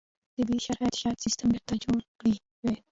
طبیعي شرایط شاید سیستم بېرته جوړ کړی وای.